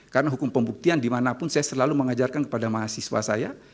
karena hukum pembuktian dimanapun saya selalu mengajarkan kepada mahasiswa saya